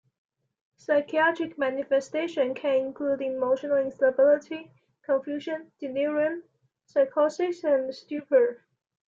Psychiatric manifestation can include emotional instability, confusion, delirium, psychosis, and stupor.